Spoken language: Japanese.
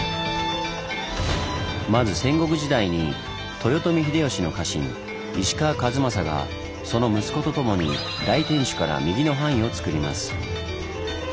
まず戦国時代に豊臣秀吉の家臣石川数正がその息子と共に大天守から右の範囲をつくります。